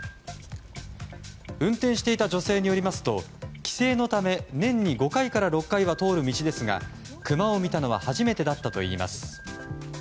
運転していた女性によりますと帰省のため年に５から６回は通る道ですがクマを見たのは初めてだったといいます。